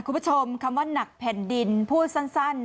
คุณผู้ชมคำว่าหนักแผ่นดินพูดสั้น